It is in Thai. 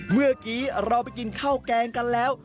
เมื่อกี้เราไปกินข้าวแกงกันแล้ว